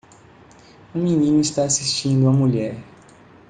Um menino está assistindo uma mulher.